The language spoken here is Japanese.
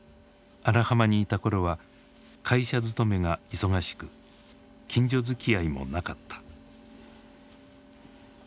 荒浜にいた頃は会社勤めが忙しく近所づきあいもなかった。